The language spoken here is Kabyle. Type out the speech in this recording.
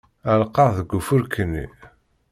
Ɛellqeɣ deg ufurk-nni.